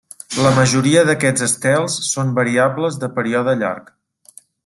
La majoria d'aquests estels són variables de període llarg.